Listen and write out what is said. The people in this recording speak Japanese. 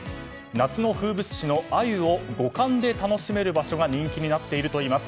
夏の風物詩のアユを五感で楽しめる場所が人気になっているといいます。